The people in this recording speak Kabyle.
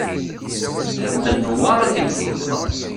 Tḥemmel Newwara timseḍṣa.